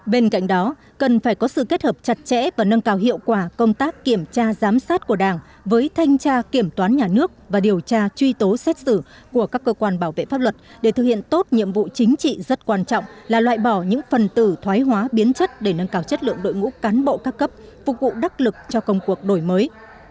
bên cạnh đó cần phải có sự kết hợp chặt chẽ và nâng cao hiệu quả công tác kiểm tra giám sát của đảng với thanh tra kiểm toán nhà nước và điều tra truy tố xét xử của các cơ quan bảo vệ pháp luật để thực hiện tốt nhiệm vụ chính trị rất quan trọng là loại bỏ những phần tử thoái hóa biến chất để nâng cao chất lượng đội ngũ cán bộ ca cấp phục vụ đắc lực cho công cuộc đổi mới